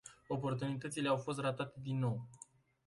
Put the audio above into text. Oportunitățile au fost ratate din nou.